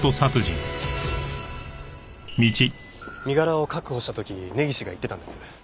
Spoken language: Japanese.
身柄を確保した時根岸が言ってたんです。